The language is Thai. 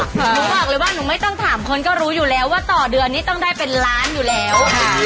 หนูบอกเลยว่าหนูไม่ต้องถามคนก็รู้อยู่แล้วว่าต่อเดือนนี้ต้องได้เป็นล้านอยู่แล้ว